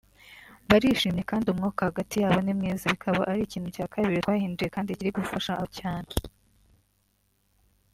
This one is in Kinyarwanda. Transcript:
barishimye kandi umwuka hagati yabo ni mwiza bikaba ari ikintu cya kabiri twahinduye kandi kiri gufasha cyane